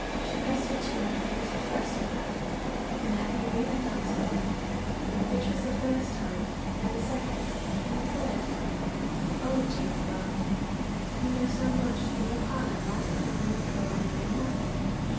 She pressed it to her innocent breast at that. And had he really done so? and which was the first time, and the second, and the third? Oh, dear glove, you know so much, and your partner lies at home in a drawer knowing nothing.